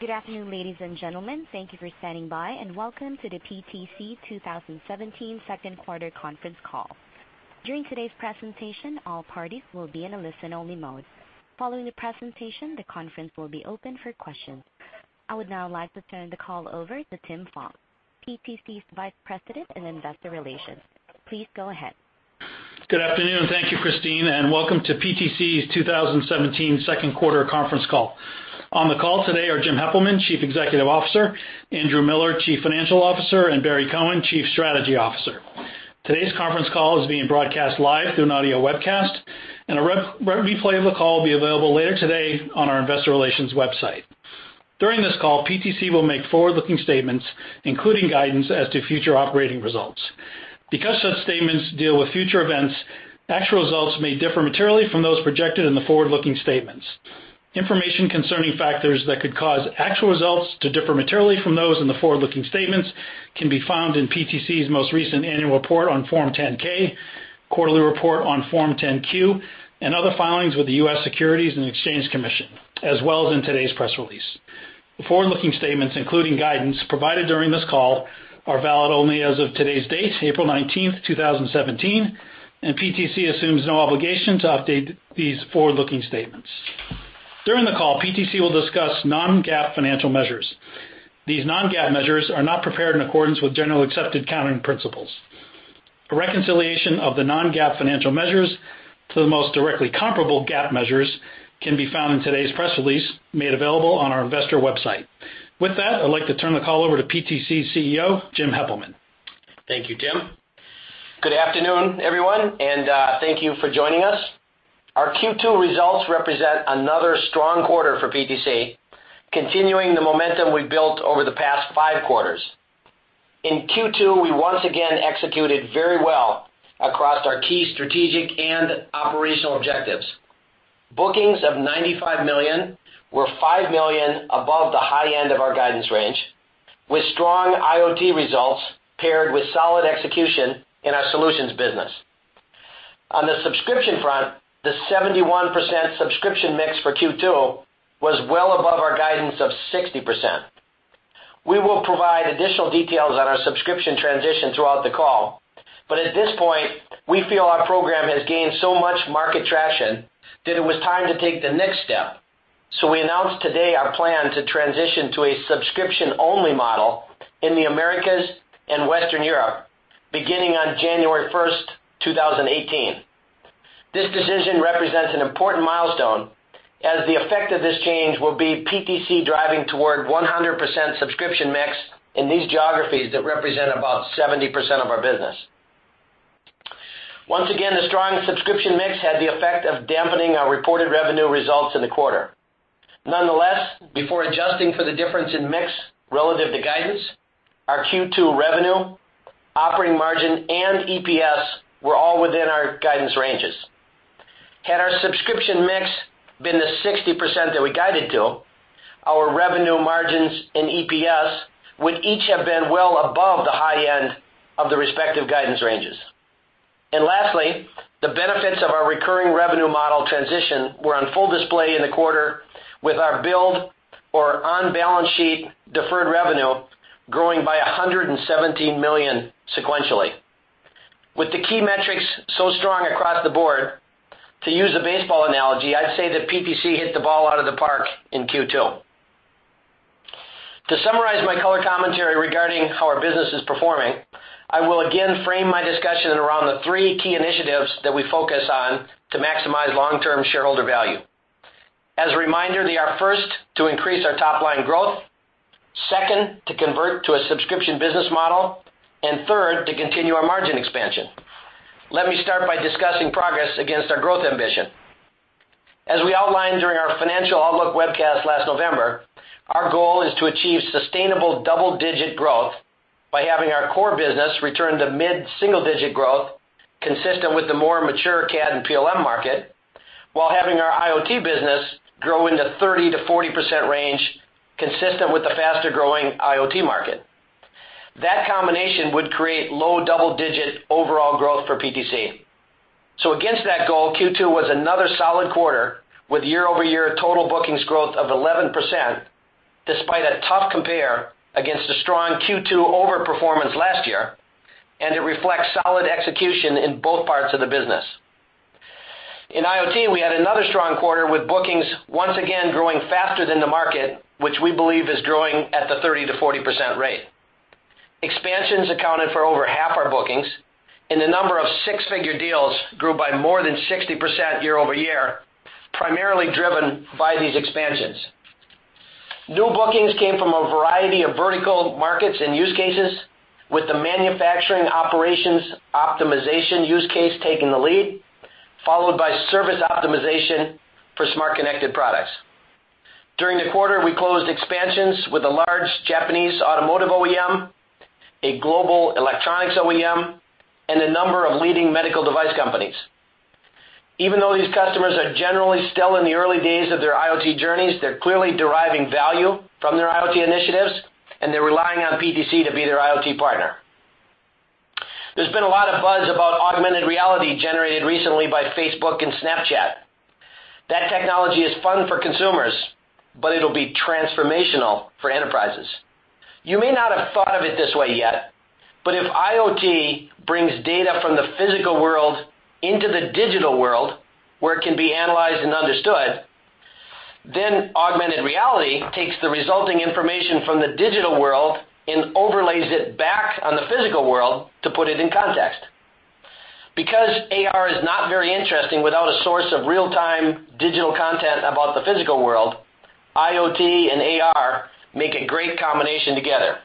Good afternoon, ladies and gentlemen. Thank you for standing by, and welcome to the PTC 2017 second quarter conference call. During today's presentation, all parties will be in a listen-only mode. Following the presentation, the conference will be open for questions. I would now like to turn the call over to Tim Fox, PTC's Vice President in Investor Relations. Please go ahead. Good afternoon. Thank you, Christine, and welcome to PTC's 2017 second quarter conference call. On the call today are Jim Heppelmann, Chief Executive Officer, Andrew Miller, Chief Financial Officer, and Barry Cohen, Chief Strategy Officer. Today's conference call is being broadcast live through an audio webcast, and a replay of the call will be available later today on our investor relations website. During this call, PTC will make forward-looking statements, including guidance as to future operating results. Because such statements deal with future events, actual results may differ materially from those projected in the forward-looking statements. Information concerning factors that could cause actual results to differ materially from those in the forward-looking statements can be found in PTC's most recent annual report on Form 10-K, quarterly report on Form 10-Q, and other filings with the U.S. Securities and Exchange Commission, as well as in today's press release. The forward-looking statements, including guidance provided during this call, are valid only as of today's date, April 19th, 2017. PTC assumes no obligation to update these forward-looking statements. During the call, PTC will discuss non-GAAP financial measures. These non-GAAP measures are not prepared in accordance with Generally Accepted Accounting Principles. A reconciliation of the non-GAAP financial measures to the most directly comparable GAAP measures can be found in today's press release made available on our investor website. With that, I'd like to turn the call over to PTC CEO, Jim Heppelmann. Thank you, Tim. Good afternoon, everyone, and thank you for joining us. Our Q2 results represent another strong quarter for PTC, continuing the momentum we've built over the past five quarters. In Q2, we once again executed very well across our key strategic and operational objectives. Bookings of $95 million were $5 million above the high end of our guidance range, with strong IoT results paired with solid execution in our solutions business. On the subscription front, the 71% subscription mix for Q2 was well above our guidance of 60%. We will provide additional details on our subscription transition throughout the call. At this point, we feel our program has gained so much market traction that it was time to take the next step. We announced today our plan to transition to a subscription-only model in the Americas and Western Europe beginning on January 1st, 2018. This decision represents an important milestone, as the effect of this change will be PTC driving toward 100% subscription mix in these geographies that represent about 70% of our business. Once again, the strong subscription mix had the effect of dampening our reported revenue results in the quarter. Nonetheless, before adjusting for the difference in mix relative to guidance, our Q2 revenue, operating margin, and EPS were all within our guidance ranges. Had our subscription mix been the 60% that we guided to, our revenue margins and EPS would each have been well above the high end of the respective guidance ranges. Lastly, the benefits of our recurring revenue model transition were on full display in the quarter with our build or on-balance sheet deferred revenue growing by $117 million sequentially. With the key metrics so strong across the board, to use a baseball analogy, I'd say that PTC hit the ball out of the park in Q2. To summarize my color commentary regarding how our business is performing, I will again frame my discussion around the three key initiatives that we focus on to maximize long-term shareholder value. As a reminder, they are, first, to increase our top-line growth, second, to convert to a subscription business model, and third, to continue our margin expansion. Let me start by discussing progress against our growth ambition. As we outlined during our financial outlook webcast last November, our goal is to achieve sustainable double-digit growth by having our core business return to mid-single digit growth consistent with the more mature CAD and PLM market, while having our IoT business grow in the 30%-40% range consistent with the faster-growing IoT market. That combination would create low double-digit overall growth for PTC. Against that goal, Q2 was another solid quarter with year-over-year total bookings growth of 11%, despite a tough compare against a strong Q2 overperformance last year, and it reflects solid execution in both parts of the business. In IoT, we had another strong quarter with bookings once again growing faster than the market, which we believe is growing at the 30%-40% rate. Expansions accounted for over half our bookings, and the number of six-figure deals grew by more than 60% year-over-year, primarily driven by these expansions. New bookings came from a variety of vertical markets and use cases, with the manufacturing operations optimization use case taking the lead, followed by service optimization for smart connected products. During the quarter, we closed expansions with a large Japanese automotive OEM, a global electronics OEM, and a number of leading medical device companies. Even though these customers are generally still in the early days of their IoT journeys, they're clearly deriving value from their IoT initiatives, and they're relying on PTC to be their IoT partner. There's been a lot of buzz about augmented reality generated recently by Facebook and Snapchat. That technology is fun for consumers, but it'll be transformational for enterprises. You may not have thought of it this way yet, but if IoT brings data from the physical world into the digital world where it can be analyzed and understood, then augmented reality takes the resulting information from the digital world and overlays it back on the physical world to put it in context. AR is not very interesting without a source of real-time digital content about the physical world, IoT and AR make a great combination together.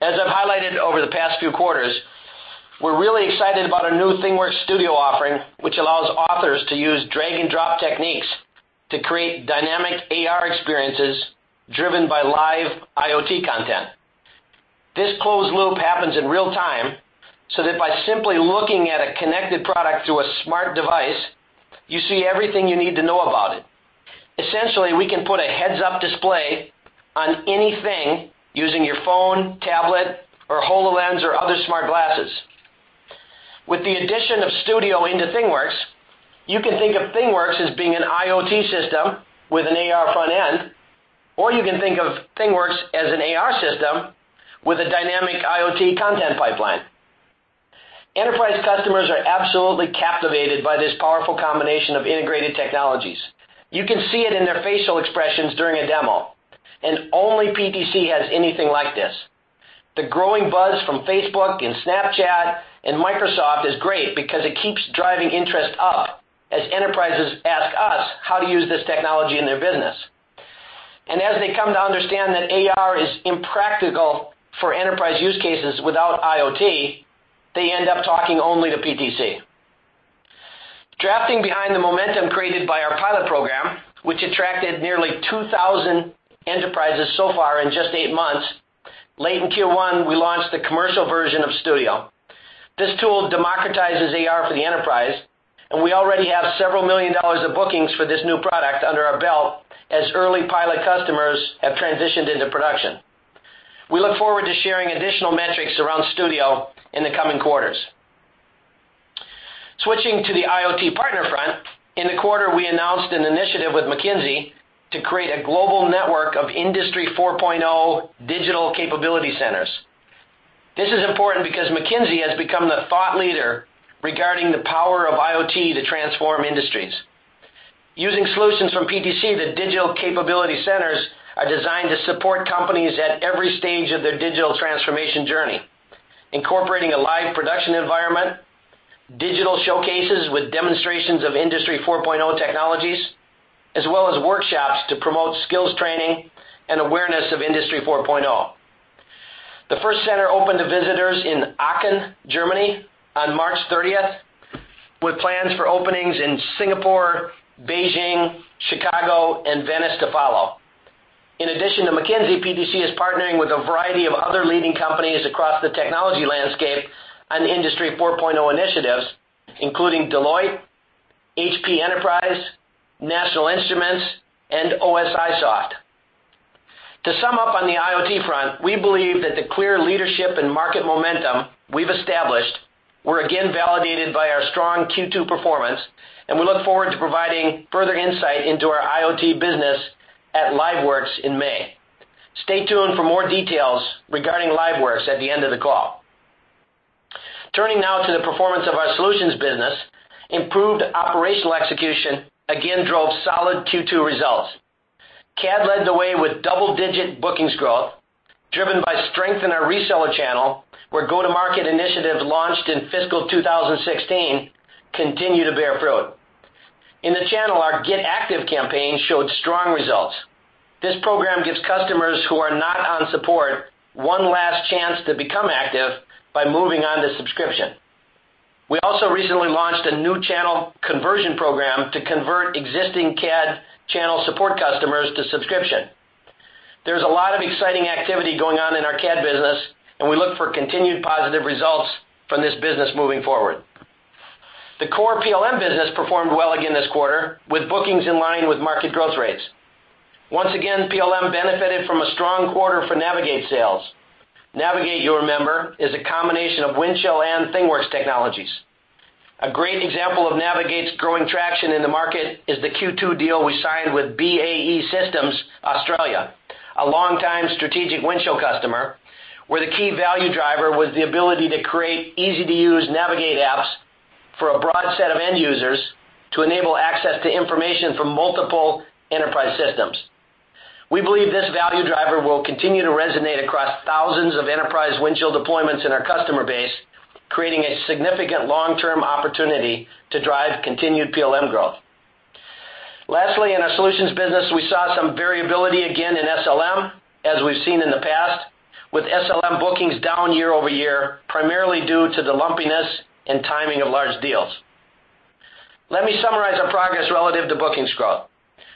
As I've highlighted over the past few quarters, we're really excited about our new ThingWorx Studio offering, which allows authors to use drag-and-drop techniques to create dynamic AR experiences driven by live IoT content. This closed loop happens in real-time, so that by simply looking at a connected product through a smart device, you see everything you need to know about it. Essentially, we can put a heads-up display on anything using your phone, tablet, or HoloLens or other smart glasses. With the addition of Studio into ThingWorx, you can think of ThingWorx as being an IoT system with an AR front end, or you can think of ThingWorx as an AR system with a dynamic IoT content pipeline. Enterprise customers are absolutely captivated by this powerful combination of integrated technologies. You can see it in their facial expressions during a demo. Only PTC has anything like this. The growing buzz from Facebook and Snapchat and Microsoft is great because it keeps driving interest up as enterprises ask us how to use this technology in their business. As they come to understand that AR is impractical for enterprise use cases without IoT, they end up talking only to PTC. Drafting behind the momentum created by our pilot program, which attracted nearly 2,000 enterprises so far in just eight months, late in Q1 we launched the commercial version of Studio. This tool democratizes AR for the enterprise, and we already have several million dollars of bookings for this new product under our belt, as early pilot customers have transitioned into production. We look forward to sharing additional metrics around Studio in the coming quarters. Switching to the IoT partner front, in the quarter we announced an initiative with McKinsey to create a global network of Industry 4.0 digital capability centers. This is important because McKinsey has become the thought leader regarding the power of IoT to transform industries. Using solutions from PTC, the digital capability centers are designed to support companies at every stage of their digital transformation journey, incorporating a live production environment, digital showcases with demonstrations of Industry 4.0 technologies, as well as workshops to promote skills training and awareness of Industry 4.0. The first center opened to visitors in Aachen, Germany, on March 30th, with plans for openings in Singapore, Beijing, Chicago, and Venice to follow. In addition to McKinsey, PTC is partnering with a variety of other leading companies across the technology landscape on Industry 4.0 initiatives, including Deloitte, HP Enterprise, National Instruments, and OSIsoft. To sum up on the IoT front, we believe that the clear leadership and market momentum we've established were again validated by our strong Q2 performance. We look forward to providing further insight into our IoT business at LiveWorx in May. Stay tuned for more details regarding LiveWorx at the end of the call. Turning now to the performance of our solutions business, improved operational execution again drove solid Q2 results. CAD led the way with double-digit bookings growth, driven by strength in our reseller channel, where go-to-market initiatives launched in fiscal 2016 continue to bear fruit. In the channel, our Get Active campaign showed strong results. This program gives customers who are not on support one last chance to become active by moving on to subscription. We also recently launched a new channel conversion program to convert existing CAD channel support customers to subscription. There's a lot of exciting activity going on in our CAD business, and we look for continued positive results from this business moving forward. The core PLM business performed well again this quarter with bookings in line with market growth rates. Once again, PLM benefited from a strong quarter for Navigate sales. Navigate, you'll remember, is a combination of Windchill and ThingWorx technologies. A great example of Navigate's growing traction in the market is the Q2 deal we signed with BAE Systems Australia, a longtime strategic Windchill customer, where the key value driver was the ability to create easy-to-use Navigate apps for a broad set of end users to enable access to information from multiple enterprise systems. We believe this value driver will continue to resonate across thousands of enterprise Windchill deployments in our customer base, creating a significant long-term opportunity to drive continued PLM growth. Lastly, in our solutions business, we saw some variability again in SLM, as we've seen in the past, with SLM bookings down year-over-year, primarily due to the lumpiness and timing of large deals. Let me summarize our progress relative to bookings growth.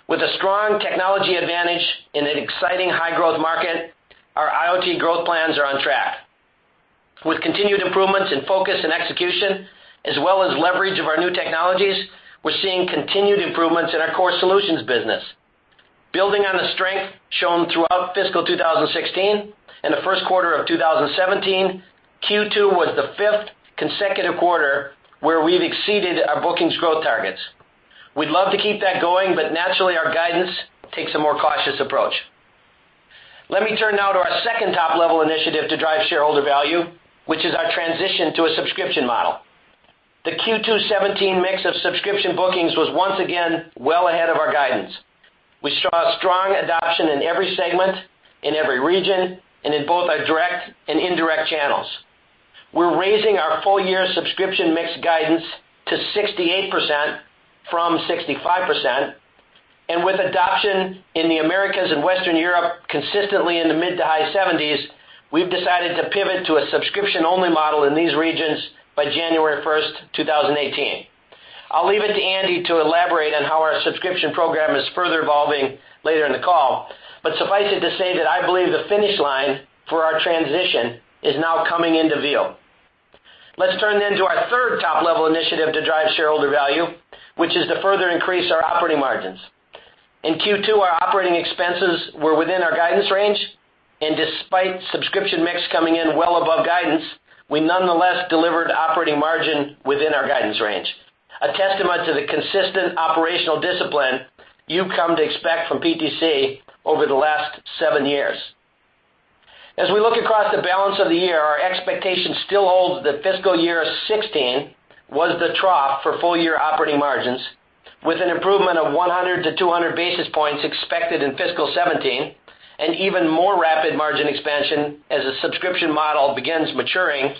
With a strong technology advantage in an exciting high-growth market, our IoT growth plans are on track. With continued improvements in focus and execution as well as leverage of our new technologies, we're seeing continued improvements in our core solutions business. Building on the strength shown throughout fiscal 2016 and the first quarter of 2017, Q2 was the fifth consecutive quarter where we've exceeded our bookings growth targets. Naturally, our guidance takes a more cautious approach. Let me turn now to our second top-level initiative to drive shareholder value, which is our transition to a subscription model. The Q2 2017 mix of subscription bookings was once again well ahead of our guidance. We saw strong adoption in every segment, in every region, and in both our direct and indirect channels. We're raising our full-year subscription mix guidance to 68% from 65%. With adoption in the Americas and Western Europe consistently in the mid to high 70s, we've decided to pivot to a subscription-only model in these regions by January 1st, 2018. I'll leave it to Andy to elaborate on how our subscription program is further evolving later in the call. Suffice it to say that I believe the finish line for our transition is now coming into view. Let's turn to our third top-level initiative to drive shareholder value, which is to further increase our operating margins. In Q2, our operating expenses were within our guidance range. Despite subscription mix coming in well above guidance, we nonetheless delivered operating margin within our guidance range, a testament to the consistent operational discipline you've come to expect from PTC over the last seven years. As we look across the balance of the year, our expectation still holds that fiscal year 2016 was the trough for full-year operating margins, with an improvement of 100 to 200 basis points expected in fiscal 2017, and even more rapid margin expansion as the subscription model begins maturing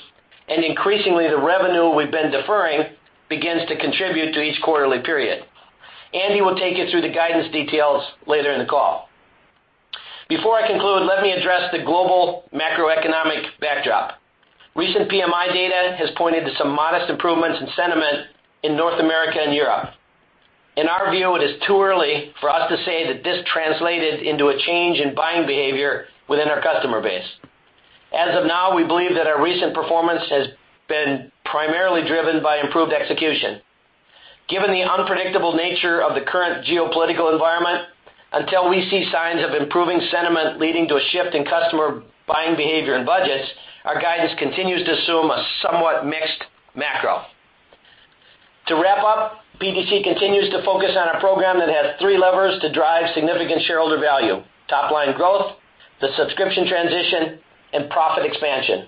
and increasingly the revenue we've been deferring begins to contribute to each quarterly period. Andy will take you through the guidance details later in the call. Before I conclude, let me address the global macroeconomic backdrop. Recent PMI data has pointed to some modest improvements in sentiment in North America and Europe. In our view, it is too early for us to say that this translated into a change in buying behavior within our customer base. As of now, we believe that our recent performance has been primarily driven by improved execution. Given the unpredictable nature of the current geopolitical environment, until we see signs of improving sentiment leading to a shift in customer buying behavior and budgets, our guidance continues to assume a somewhat mixed macro. To wrap up, PTC continues to focus on a program that has three levers to drive significant shareholder value: top-line growth, the subscription transition, and profit expansion.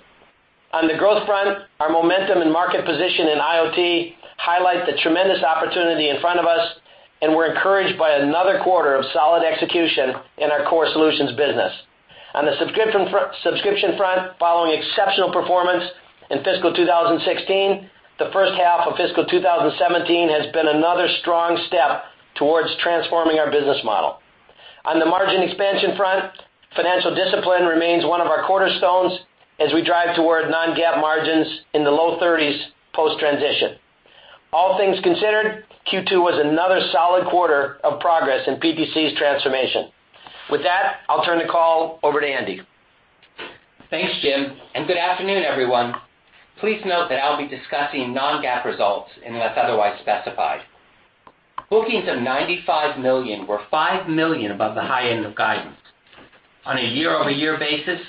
On the growth front, our momentum and market position in IoT highlight the tremendous opportunity in front of us, and we're encouraged by another quarter of solid execution in our core solutions business. On the subscription front, following exceptional performance in fiscal 2016, the first half of fiscal 2017 has been another strong step towards transforming our business model. On the margin expansion front, financial discipline remains one of our cornerstones as we drive toward non-GAAP margins in the low 30s post-transition. All things considered, Q2 was another solid quarter of progress in PTC's transformation. With that, I'll turn the call over to Andy. Thanks, Jim, and good afternoon, everyone. Please note that I'll be discussing non-GAAP results unless otherwise specified. Bookings of $95 million were $5 million above the high end of guidance. On a year-over-year basis,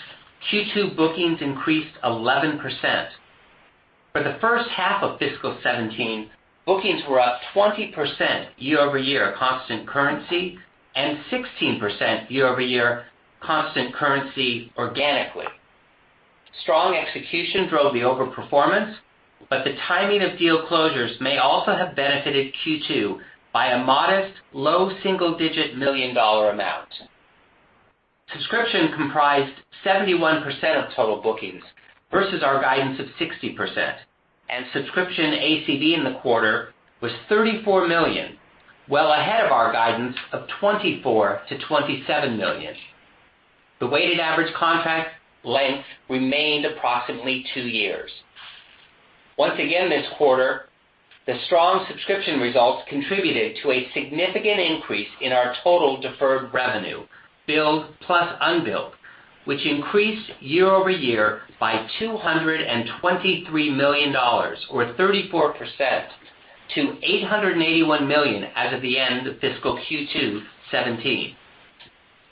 Q2 bookings increased 11%. For the first half of fiscal 2017, bookings were up 20% year-over-year constant currency, and 16% year-over-year constant currency organically. Strong execution drove the over-performance, but the timing of deal closures may also have benefited Q2 by a modest low single-digit million-dollar amount. Subscription comprised 71% of total bookings versus our guidance of 60%, and subscription ACV in the quarter was $34 million, well ahead of our guidance of $24 million-$27 million. The weighted average contract length remained approximately two years. Once again this quarter, the strong subscription results contributed to a significant increase in our total deferred revenue, billed plus unbilled, which increased year-over-year by $223 million, or 34%, to $881 million as of the end of fiscal Q2 2017.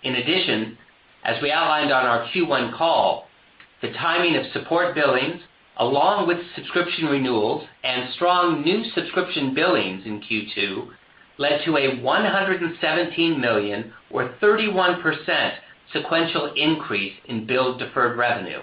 In addition, as we outlined on our Q1 call, the timing of support billings, along with subscription renewals and strong new subscription billings in Q2, led to a $117 million, or 31% sequential increase in billed deferred revenue.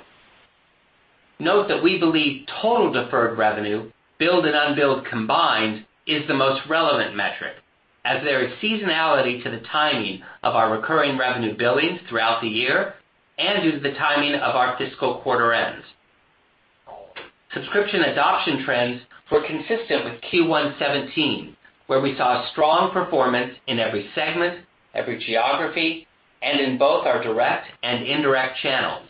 Note that we believe total deferred revenue, billed and unbilled combined, is the most relevant metric, as there is seasonality to the timing of our recurring revenue billings throughout the year and due to the timing of our fiscal quarter ends. Subscription adoption trends were consistent with Q1 2017, where we saw strong performance in every segment, every geography, and in both our direct and indirect channels.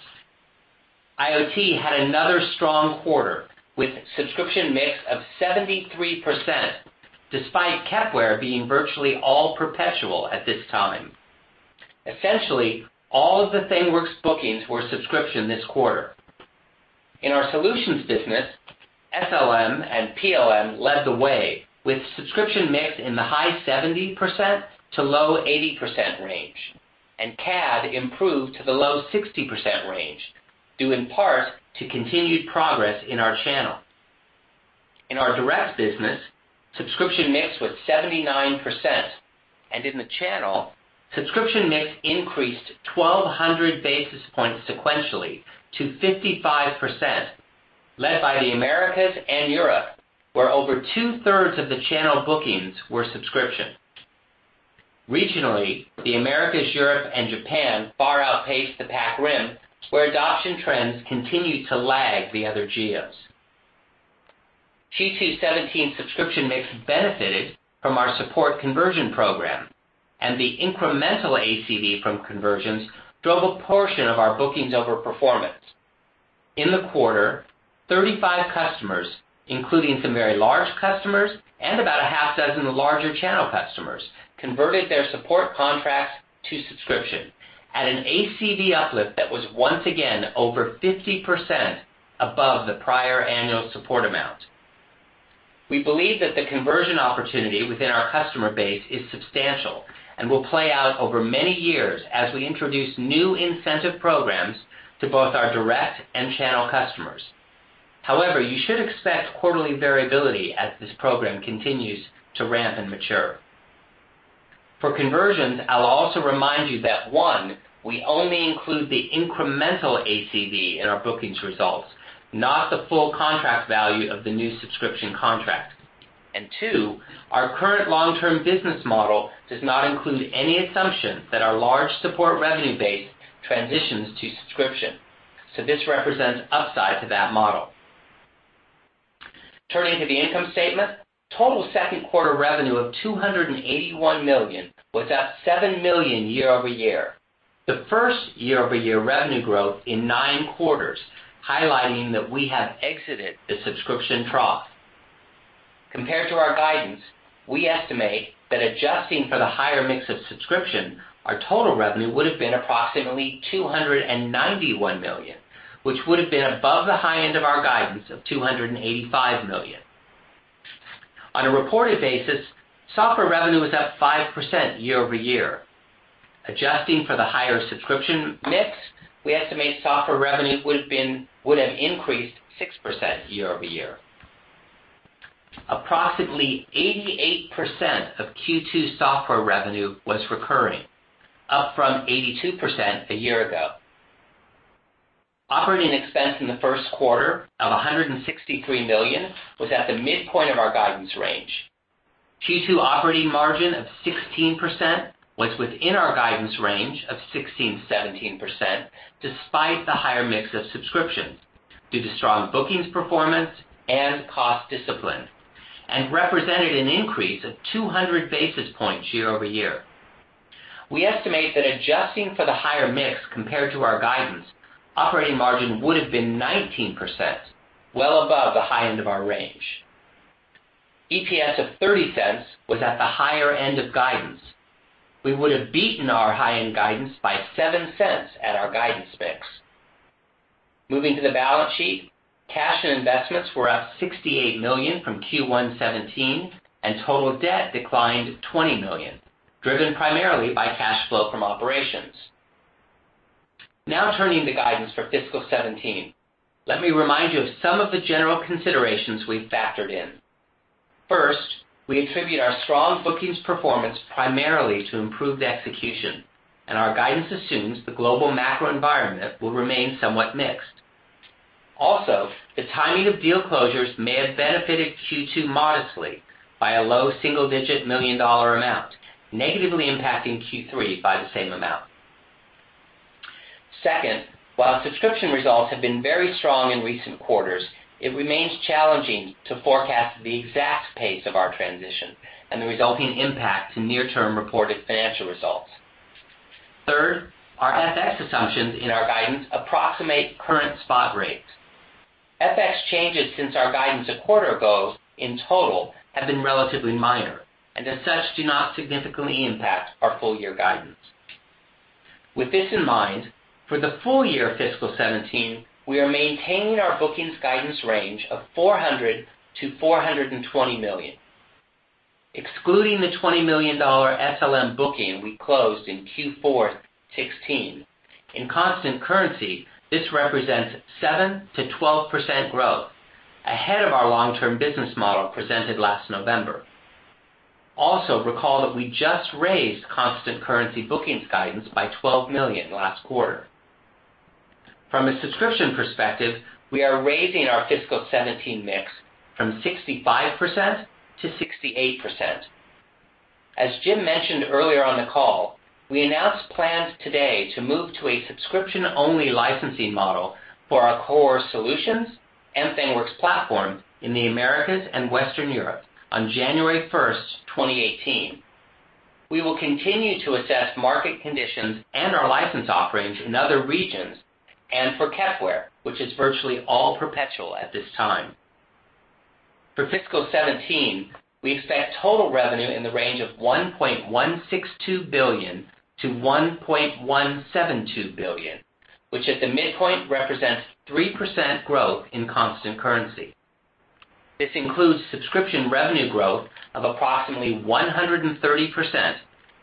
IoT had another strong quarter with subscription mix of 73%, despite Kepware being virtually all perpetual at this time. Essentially, all of the ThingWorx bookings were subscription this quarter. In our solutions business, SLM and PLM led the way with subscription mix in the high 70%-80% range, and CAD improved to the low 60% range, due in part to continued progress in our channel. In our direct business, subscription mix was 79%, and in the channel, subscription mix increased 1,200 basis points sequentially to 55%, led by the Americas and Europe, where over two-thirds of the channel bookings were subscription. Regionally, the Americas, Europe, and Japan far outpaced the Pac Rim, where adoption trends continued to lag the other geos. Q2 2017 subscription mix benefited from our support conversion program, and the incremental ACV from conversions drove a portion of our bookings over performance. In the quarter, 35 customers, including some very large customers and about a half dozen larger channel customers, converted their support contracts to subscription at an ACV uplift that was once again over 50% above the prior annual support amount. We believe that the conversion opportunity within our customer base is substantial and will play out over many years as we introduce new incentive programs to both our direct and channel customers. However, you should expect quarterly variability as this program continues to ramp and mature. For conversions, I'll also remind that, one, we only include the incremental ACV in our bookings results, not the full contract value of the new subscription contract. Two, our current long-term business model does not include any assumption that our large support revenue base transitions to subscription, so this represents upside to that model. Turning to the income statement, total second quarter revenue of $281 million was up $7 million year-over-year, the first year-over-year revenue growth in nine quarters, highlighting that we have exited the subscription trough. Compared to our guidance, we estimate that adjusting for the higher mix of subscription, our total revenue would've been approximately $291 million, which would've been above the high end of our guidance of $285 million. On a reported basis, software revenue was up 5% year-over-year. Adjusting for the higher subscription mix, we estimate software revenue would have increased 6% year-over-year. Approximately 88% of Q2 software revenue was recurring, up from 82% a year ago. Operating expense in the first quarter of $163 million was at the midpoint of our guidance range. Q2 operating margin of 16% was within our guidance range of 16%-17%, despite the higher mix of subscriptions, due to strong bookings performance and cost discipline, and represented an increase of 200 basis points year-over-year. We estimate that adjusting for the higher mix compared to our guidance, operating margin would've been 19%, well above the high end of our range. EPS of $0.30 was at the higher end of guidance. We would've beaten our high-end guidance by $0.07 at our guidance mix. Moving to the balance sheet, cash and investments were up $68 million from Q1 2017, and total debt declined $20 million, driven primarily by cash flow from operations. Now turning to guidance for fiscal 2017. Let me remind you of some of the general considerations we've factored in. First, we attribute our strong bookings performance primarily to improved execution. Our guidance assumes the global macro environment will remain somewhat mixed. Also, the timing of deal closures may have benefited Q2 modestly by a low single-digit million-dollar amount, negatively impacting Q3 by the same amount. Second, while subscription results have been very strong in recent quarters, it remains challenging to forecast the exact pace of our transition and the resulting impact to near-term reported financial results. Third, our FX assumptions in our guidance approximate current spot rates. FX changes since our guidance a quarter ago in total have been relatively minor. As such, do not significantly impact our full year guidance. With this in mind, for the full year of fiscal 2017, we are maintaining our bookings guidance range of $400 million-$420 million. Excluding the $20 million SLM booking we closed in Q4 2016, in constant currency, this represents 7%-12% growth, ahead of our long-term business model presented last November. Also, recall that we just raised constant currency bookings guidance by $12 million last quarter. From a subscription perspective, we are raising our fiscal 2017 mix from 65%-68%. As Jim mentioned earlier on the call, we announced plans today to move to a subscription-only licensing model for our core solutions and ThingWorx platform in the Americas and Western Europe on January 1st, 2018. We will continue to assess market conditions and our license offerings in other regions and for Kepware, which is virtually all perpetual at this time. For fiscal 2017, we expect total revenue in the range of $1.162 billion-$1.172 billion, which at the midpoint represents 3% growth in constant currency. This includes subscription revenue growth of approximately 130%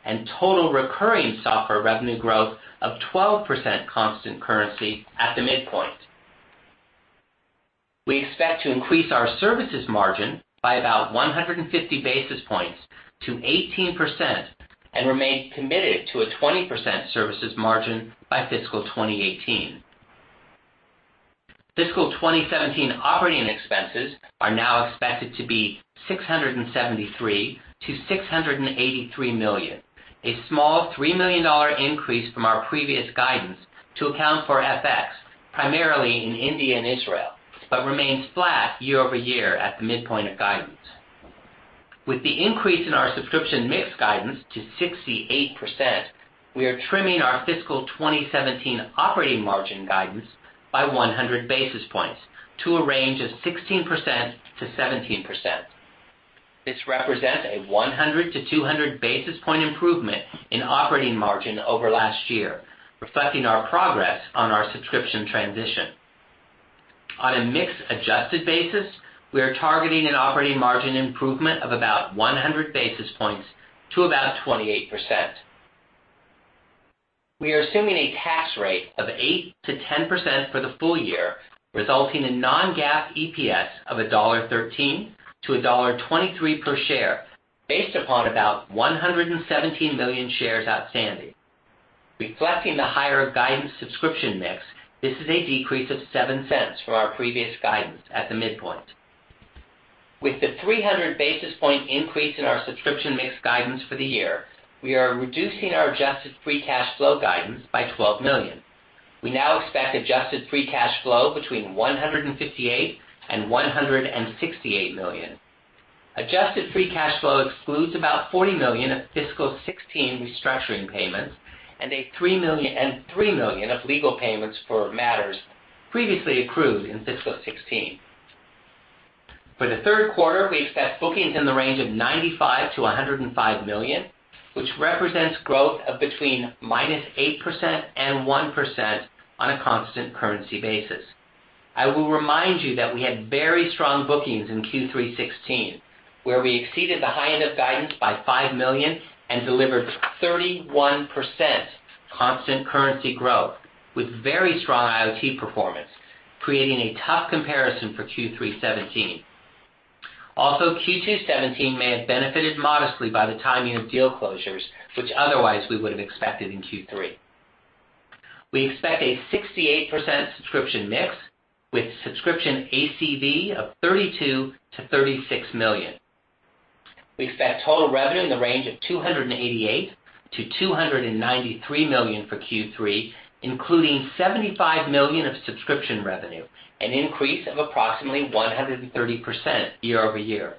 and total recurring software revenue growth of 12% constant currency at the midpoint. We expect to increase our services margin by about 150 basis points to 18% and remain committed to a 20% services margin by fiscal 2018. Fiscal 2017 operating expenses are now expected to be $673 million-$683 million, a small $3 million increase from our previous guidance to account for FX, primarily in India and Israel, but remains flat year-over-year at the midpoint of guidance. With the increase in our subscription mix guidance to 68%, we are trimming our fiscal 2017 operating margin guidance by 100 basis points to a range of 16%-17%. This represents a 100-200 basis point improvement in operating margin over last year, reflecting our progress on our subscription transition. On a mix-adjusted basis, we are targeting an operating margin improvement of about 100 basis points to about 28%. We are assuming a tax rate of 8%-10% for the full year, resulting in non-GAAP EPS of $1.13-$1.23 per share, based upon about 117 million shares outstanding. Reflecting the higher guidance subscription mix, this is a decrease of $0.07 for our previous guidance at the midpoint. With the 300 basis point increase in our subscription mix guidance for the year, we are reducing our adjusted free cash flow guidance by $12 million. We now expect adjusted free cash flow between $158 million and $168 million. Adjusted free cash flow excludes about $40 million of fiscal 2016 restructuring payments and $3 million of legal payments for matters previously approved in fiscal 2016. For the third quarter, we expect bookings in the range of $95 million-$105 million, which represents growth of between -8% and 1% on a constant currency basis. I will remind you that we had very strong bookings in Q3 2016, where we exceeded the high end of guidance by $5 million and delivered 31% constant currency growth with very strong IoT performance, creating a tough comparison for Q3 2017. Also, Q2 2017 may have benefited modestly by the timing of deal closures, which otherwise we would have expected in Q3. We expect a 68% subscription mix with subscription ACV of $32 million-$36 million. We expect total revenue in the range of $288 million-$293 million for Q3, including $75 million of subscription revenue, an increase of approximately 130% year-over-year.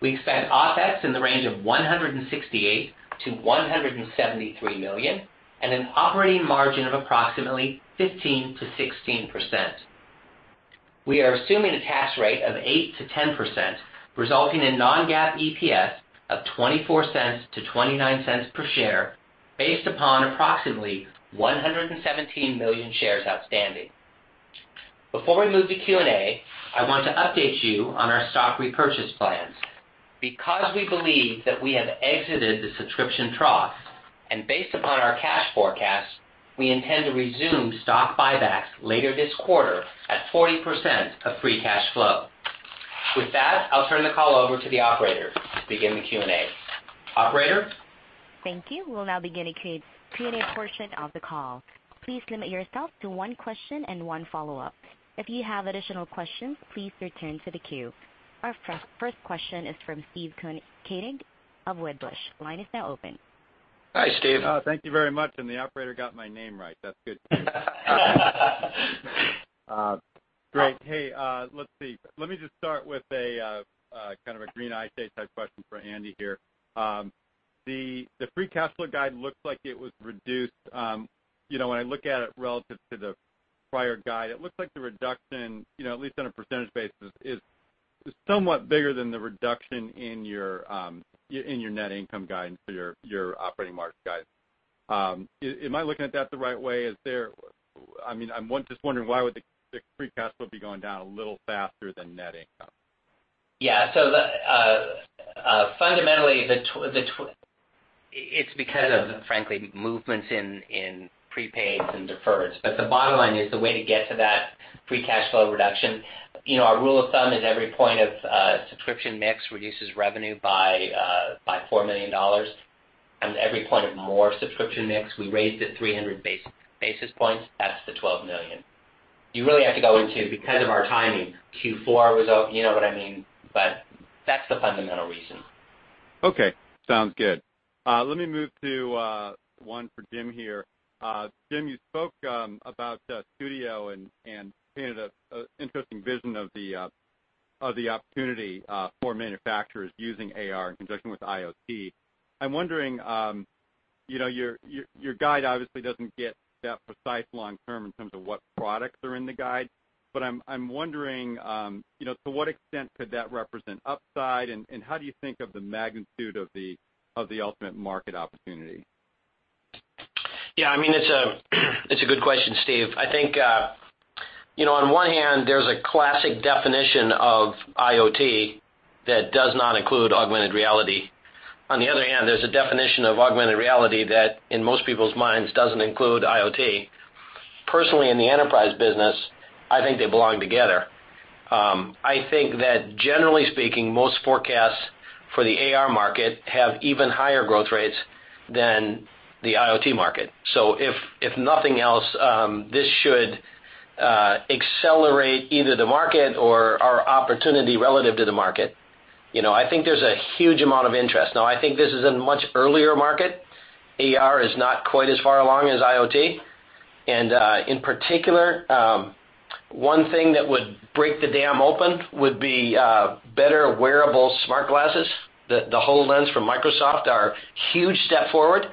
We expect OpEx in the range of $168 million-$173 million, and an operating margin of approximately 15%-16%. We are assuming a tax rate of 8%-10%, resulting in non-GAAP EPS of $0.24-$0.29 per share, based upon approximately 117 million shares outstanding. Before we move to Q&A, I want to update you on our stock repurchase plans. Because we believe that we have exited the subscription trough, and based upon our cash forecast, we intend to resume stock buybacks later this quarter at 40% of free cash flow. With that, I'll turn the call over to the operator to begin the Q&A. Operator? Thank you. We'll now begin the Q&A portion of the call. Please limit yourself to one question and one follow-up. If you have additional questions, please return to the queue. Our first question is from Steve Koenig of Wedbush. The line is now open. Hi, Steve. Thank you very much. The operator got my name right. That's good. Great. Hey, let's see. Let me just start with a green eye shade type question for Andy here. The free cash flow guide looks like it was reduced. When I look at it relative to the prior guide, it looks like the reduction, at least on a percentage basis, is somewhat bigger than the reduction in your net income guidance or your operating margin guidance. Am I looking at that the right way? I'm just wondering why would the free cash flow be going down a little faster than net income? Yeah. Fundamentally, it's because of, frankly, movements in prepaids and deferreds. The bottom line is the way to get to that free cash flow reduction, our rule of thumb is every point of subscription mix reduces revenue by $4 million. Every point of more subscription mix, we raised it 300 basis points. That's the $12 million. You really have to go into because of our timing, Q4 result. You know what I mean? That's the fundamental reason. Okay, sounds good. Let me move to one for Jim here. Jim, you spoke about Studio and painted an interesting vision of the opportunity for manufacturers using AR in conjunction with IoT. Your guide obviously doesn't get that precise long term in terms of what products are in the guide, but I'm wondering, to what extent could that represent upside, and how do you think of the magnitude of the ultimate market opportunity? Yeah, it's a good question, Steve. I think, on one hand, there's a classic definition of IoT that does not include augmented reality. On the other hand, there's a definition of augmented reality that, in most people's minds, doesn't include IoT. Personally, in the enterprise business, I think they belong together. I think that generally speaking, most forecasts for the AR market have even higher growth rates than the IoT market. If nothing else, this should accelerate either the market or our opportunity relative to the market. I think there's a huge amount of interest. Now, I think this is a much earlier market. AR is not quite as far along as IoT, and, in particular, one thing that would break the dam open would be better wearable smart glasses. The HoloLens from Microsoft are a huge step forward,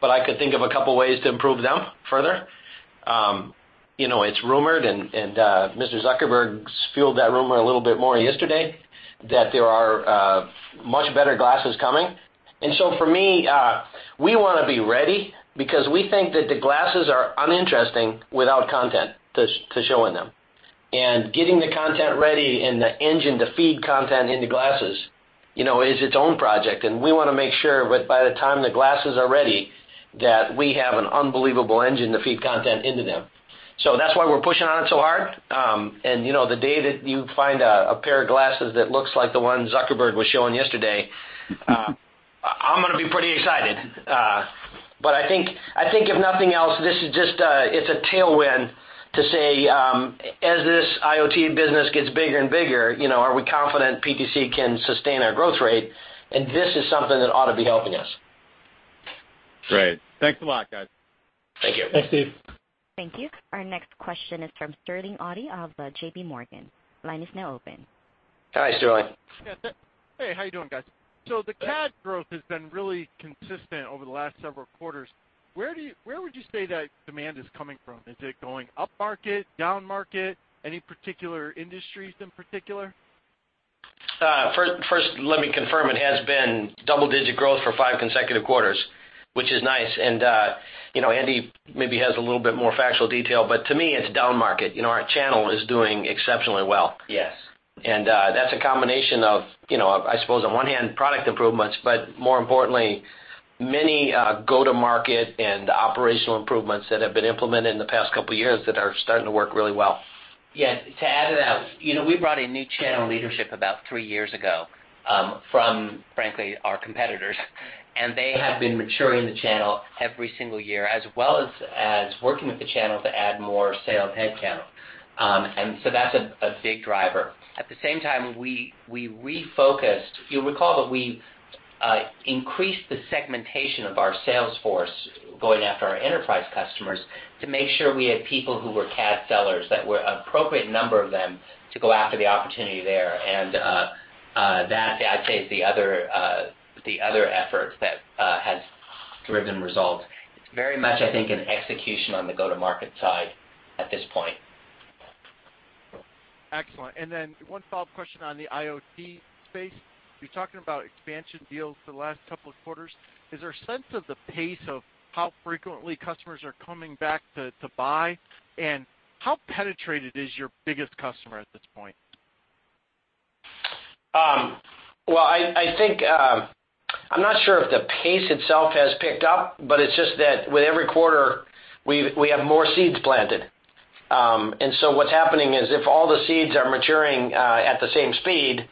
but I could think of a couple ways to improve them further. It's rumored, Mr. Zuckerberg fueled that rumor a little bit more yesterday, that there are much better glasses coming. For me, we want to be ready, because we think that the glasses are uninteresting without content to show in them. Getting the content ready and the engine to feed content into glasses, is its own project, and we want to make sure that by the time the glasses are ready, that we have an unbelievable engine to feed content into them. That's why we're pushing on it so hard. The day that you find a pair of glasses that looks like the one Zuckerberg was showing yesterday, I'm gonna be pretty excited. I think if nothing else, this is just a tailwind to say, as this IoT business gets bigger and bigger, are we confident PTC can sustain our growth rate? This is something that ought to be helping us. Great. Thanks a lot, guys. Thank you. Thanks, Steve. Thank you. Our next question is from Sterling Auty of JP Morgan. Line is now open. Hi, Sterling. How you doing, guys? The CAD growth has been really consistent over the last several quarters. Where would you say that demand is coming from? Is it going up market, down market? Any particular industries in particular? First, let me confirm, it has been double-digit growth for five consecutive quarters, which is nice. Andy maybe has a little bit more factual detail, but to me, it's down market. Our channel is doing exceptionally well. Yes. That's a combination of, I suppose on one hand, product improvements, more importantly, many go-to-market and operational improvements that have been implemented in the past couple of years that are starting to work really well. Yeah. To add to that, we brought in new channel leadership about three years ago, from, frankly, our competitors, they have been maturing the channel every single year, as well as working with the channel to add more sales headcount. That's a big driver. At the same time, we refocused. You'll recall that we increased the segmentation of our sales force going after our enterprise customers to make sure we had people who were CAD sellers that were appropriate number of them to go after the opportunity there. That, I'd say, is the other effort that has driven results. It's very much, I think, an execution on the go-to-market side at this point. Excellent. One follow-up question on the IoT space. You're talking about expansion deals for the last couple of quarters. Is there a sense of the pace of how frequently customers are coming back to buy? How penetrated is your biggest customer at this point? Well, I'm not sure if the pace itself has picked up, but it's just that with every quarter, we have more seeds planted. What's happening is if all the seeds are maturing at the same speed,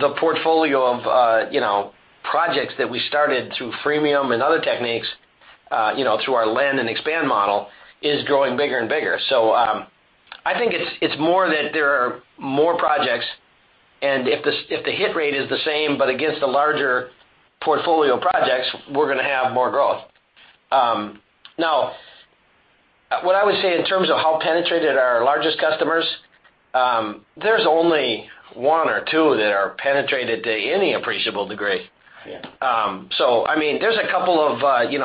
the portfolio of projects that we started through freemium and other techniques, through our land and expand model, is growing bigger and bigger. I think it's more that there are more projects, and if the hit rate is the same but against the larger portfolio of projects, we're gonna have more growth. Now, what I would say in terms of how penetrated our largest customers, there's only one or two that are penetrated to any appreciable degree. Yeah.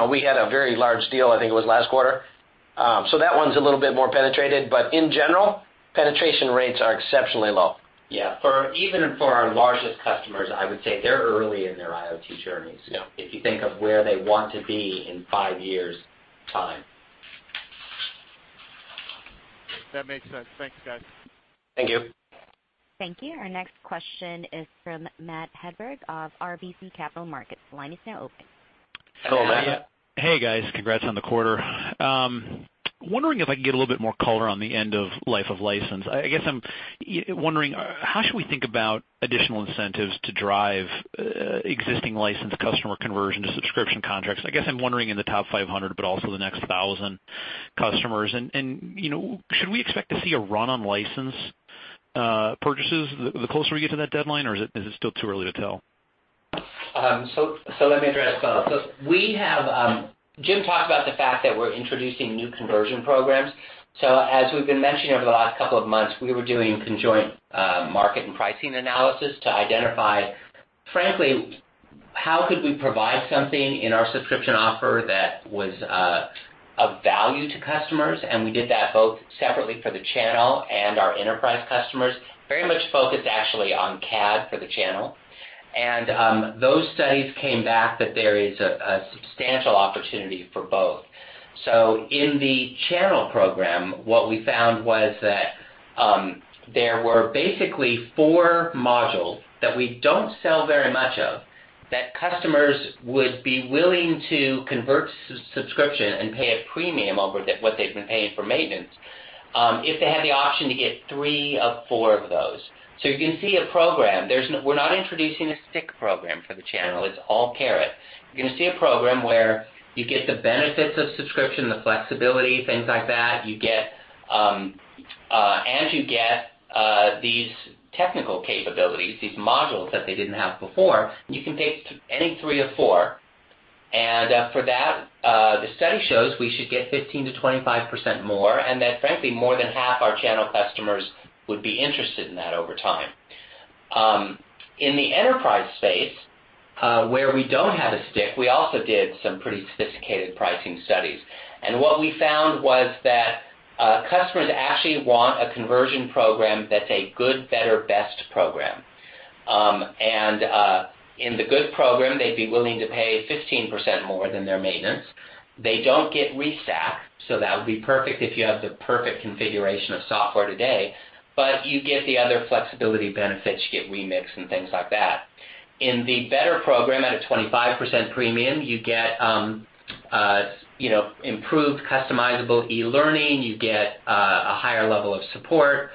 We had a very large deal, I think it was last quarter. That one's a little bit more penetrated, but in general, penetration rates are exceptionally low. Yeah. Even for our largest customers, I would say they're early in their IoT journeys. Yeah. If you think of where they want to be in five years' time. That makes sense. Thanks, guys. Thank you. Thank you. Our next question is from Matthew Hedberg of RBC Capital Markets. Line is now open. Hello, Matt. Hey, guys. Congrats on the quarter. Wondering if I can get a little bit more color on the end-of-life of license. I guess I'm wondering, how should we think about additional incentives to drive existing license customer conversion to subscription contracts? I guess I'm wondering in the top 500, but also the next 1,000 customers. Should we expect to see a run on license purchases the closer we get to that deadline, or is it still too early to tell? Let me address both. Jim talked about the fact that we're introducing new conversion programs. As we've been mentioning over the last couple of months, we were doing conjoint market and pricing analysis to identify, frankly, how could we provide something in our subscription offer that was of value to customers, and we did that both separately for the channel and our enterprise customers, very much focused actually on CAD for the channel. Those studies came back that there is a substantial opportunity for both. In the channel program, what we found was that there were basically four modules that we don't sell very much of, that customers would be willing to convert to subscription and pay a premium over what they've been paying for maintenance, if they had the option to get three of four of those. You're going to see a program. We're not introducing a stick program for the channel. It's all carrot. You're going to see a program where you get the benefits of subscription, the flexibility, things like that. You get these technical capabilities, these modules that they didn't have before. You can take any three of four, for that, the study shows we should get 15%-25% more, that frankly, more than half our channel customers would be interested in that over time. In the enterprise space, where we don't have a stick, we also did some pretty sophisticated pricing studies. What we found was that customers actually want a conversion program that's a good, better, best program. In the good program, they'd be willing to pay 15% more than their maintenance. They don't get restack, so that would be perfect if you have the perfect configuration of software today, but you get the other flexibility benefits. You get remix and things like that. In the better program, at a 25% premium, you get improved customizable e-learning. You get a higher level of support,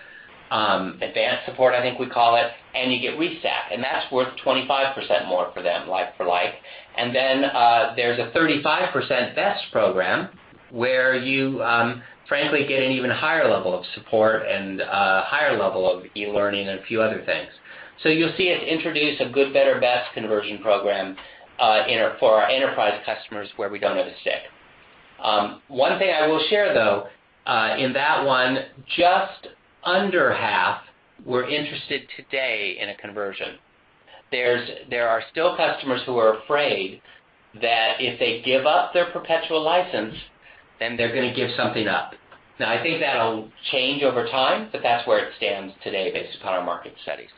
advanced support, I think we call it, and you get restack, and that's worth 25% more for them, like for like. There's a 35% best program where you frankly get an even higher level of support and a higher level of e-learning and a few other things. You'll see us introduce a good, better, best conversion program for our enterprise customers where we don't have a stick. One thing I will share, though, in that one, just under half were interested today in a conversion. There are still customers who are afraid that if they give up their perpetual license, then they're going to give something up. I think that'll change over time, but that's where it stands today based upon our market studies.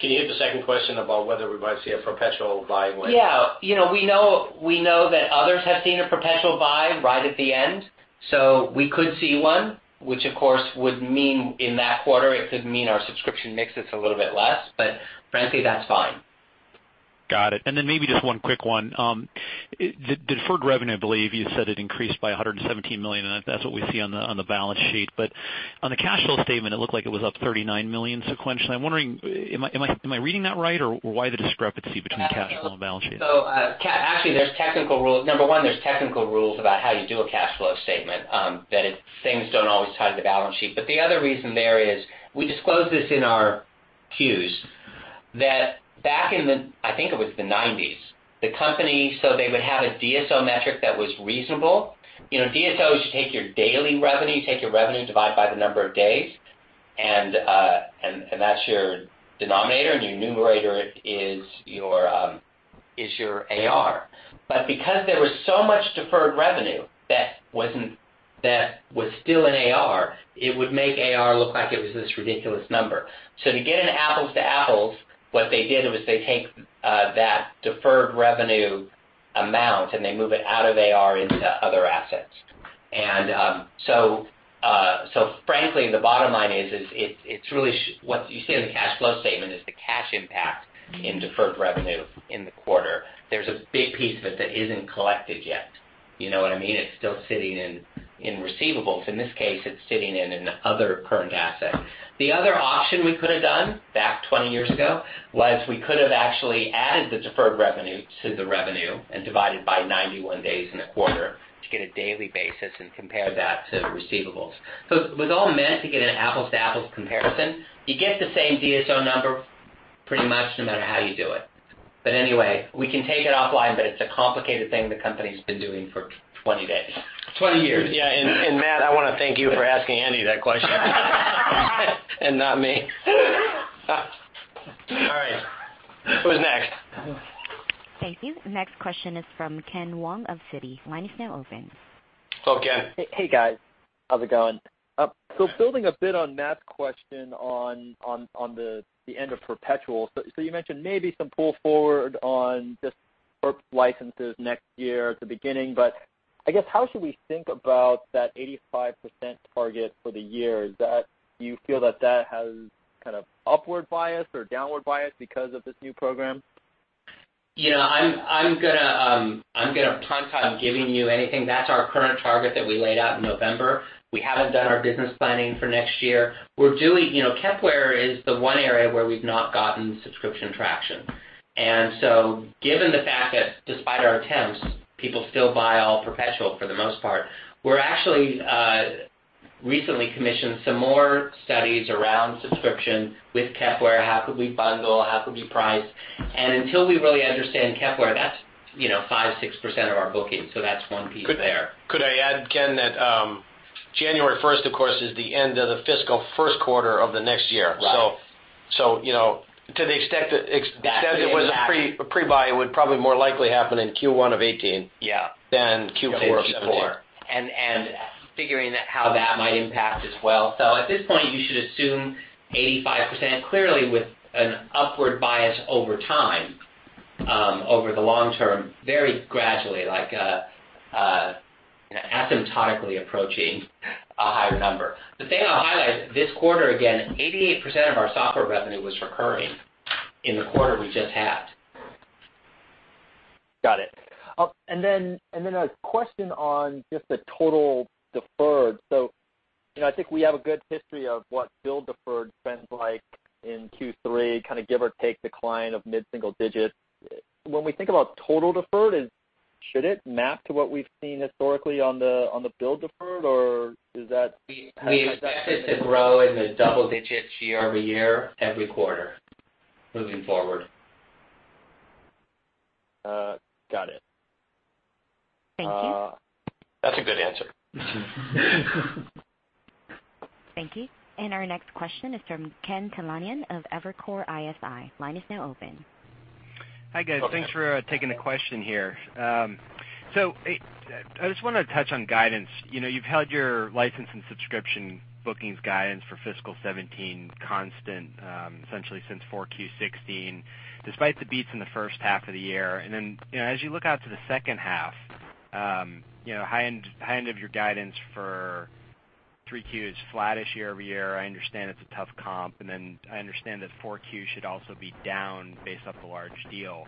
Can you hit the second question about whether we might see a perpetual buy We know that others have seen a perpetual buy right at the end, so we could see one, which of course would mean in that quarter, it could mean our subscription mix is a little bit less, but frankly, that's fine. Got it. Maybe just one quick one. Deferred revenue, I believe you said it increased by $117 million, and that's what we see on the balance sheet. On the cash flow statement, it looked like it was up $39 million sequentially. I'm wondering, am I reading that right, or why the discrepancy between cash flow and balance sheet? Actually, number one, there's technical rules about how you do a cash flow statement, that things don't always tie to the balance sheet. The other reason there is, we disclose this in our 10-Qs, that back in, I think it was the '90s, the company, they would have a DSO metric that was reasonable. DSO is, you take your daily revenue, take your revenue, divide by the number of days, and that's your denominator, and your numerator is your AR. Because there was so much deferred revenue that was still in AR, it would make AR look like it was this ridiculous number. To get an apples to apples, what they did was they take that deferred revenue amount, and they move it out of AR into other assets. Frankly, the bottom line is, what you see on the cash flow statement is the cash impact in deferred revenue in the quarter. There's a big piece of it that isn't collected yet. You know what I mean? It's still sitting in receivables. In this case, it's sitting in other current assets. The other option we could've done, back 20 years ago, was we could have actually added the deferred revenue to the revenue and divided by 91 days in a quarter to get a daily basis and compare that to receivables. It was all meant to get an apples to apples comparison. You get the same DSO number pretty much no matter how you do it. Anyway, we can take it offline, it's a complicated thing the company's been doing for 20 years. 20 years. Matt, I want to thank you for asking Andy that question. Not me. All right. Who's next? Thank you. The next question is from Kenneth Wong of Citi. Line is now open. Hello, Ken. Hey, guys. How's it going? Building a bit on Matt's question on the end of perpetual, you mentioned maybe some pull forward on just perp licenses next year at the beginning, I guess how should we think about that 85% target for the year? Do you feel that that has kind of upward bias or downward bias because of this new program? I'm going to punt on giving you anything. That's our current target that we laid out in November. We haven't done our business planning for next year. Kepware is the one area where we've not gotten subscription traction. Given the fact that despite our attempts, people still buy all perpetual, for the most part, we're actually recently commissioned some more studies around subscription with Kepware, how could we bundle, how could we price. Until we really understand Kepware, that's 5%, 6% of our bookings. That's one piece there. Could I add, Ken, that January 1st, of course, is the end of the fiscal first quarter of the next year. Right. To the extent that it was a pre-buy, it would probably more likely happen in Q1 of 2018. Yeah than Q4 of 2017. Q4. Figuring how that might impact as well. At this point, you should assume 85% clearly with an upward bias over time, over the long term, very gradually, asymptotically approaching a higher number. The thing I'll highlight this quarter, again, 88% of our software revenue was recurring in the quarter we just had. Got it. Then a question on just the total deferred. I think we have a good history of what bill deferred trends like in Q3, give or take the client of mid-single digits. We think about total deferred, should it map to what we've seen historically on the bill deferred, or does that have- We expect it to grow in the double digits year-over-year, every quarter moving forward. Got it. Thank you. That's a good answer. Thank you. Our next question is from Ken Talanian of Evercore ISI. Line is now open. Hi, guys. Thanks for taking the question here. I just wanted to touch on guidance. You've held your license and subscription bookings guidance for fiscal 2017 constant, essentially since 4Q 2016, despite the beats in the first half of the year. As you look out to the second half, high end of your guidance for 3Q is flattish year-over-year. I understand it's a tough comp, and then I understand that 4Q should also be down based off the large deal.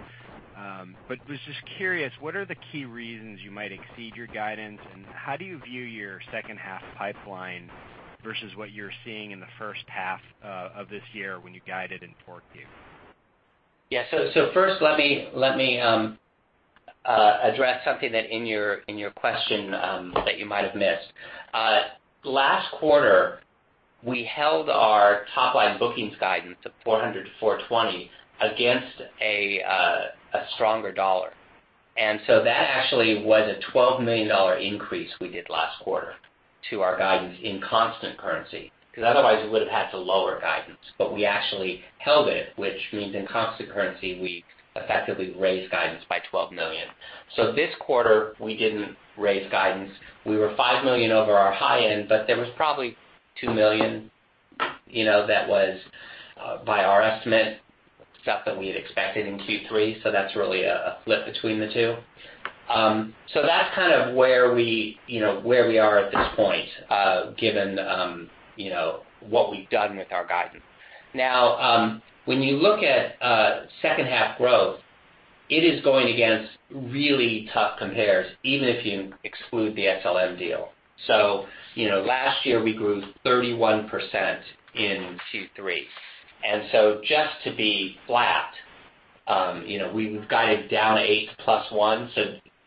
Was just curious, what are the key reasons you might exceed your guidance, and how do you view your second half pipeline versus what you're seeing in the first half of this year when you guided in 4Q? First let me address something in your question that you might have missed. Last quarter, we held our top line bookings guidance of $400 million to $420 million against a stronger dollar. That actually was a $12 million increase we did last quarter to our guidance in constant currency, because otherwise we would've had to lower guidance. We actually held it, which means in constant currency, we effectively raised guidance by $12 million. This quarter, we didn't raise guidance. We were $5 million over our high end, but there was probably $2 million that was, by our estimate, stuff that we had expected in Q3. That's really a flip between the two. That's kind of where we are at this point, given what we've done with our guidance. When you look at second half growth, it is going against really tough compares, even if you exclude the SLM deal. Last year we grew 31% in Q3. Just to be flat, we've guided down eight plus one,